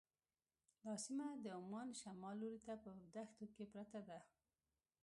دا سیمه د عمان شمال لوري ته په دښتو کې پرته ده.